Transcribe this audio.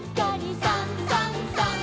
「さんさんさん」